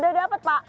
udah dapet pak